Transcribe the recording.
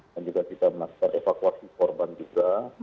dan juga kita melakukan evakuasi korban juga